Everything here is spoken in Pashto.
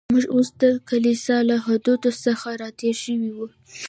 موږ اوس د کلیسا له حدودو څخه را تېر شوي و.